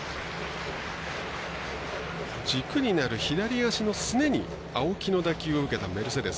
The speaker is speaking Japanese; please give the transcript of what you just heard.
軸になる左足のすねに青木の打球を受けたメルセデス。